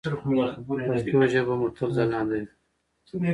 پښتو ژبه مو تل ځلانده وي.